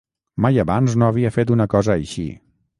Mai abans no havia fet una cosa així.